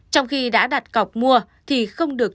trong khi đã đặt cọc mua thì không được